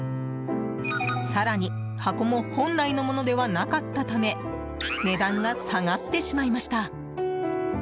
更に、箱も本来のものではなかったため値段が下がってしまいました。